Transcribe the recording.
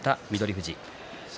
富士。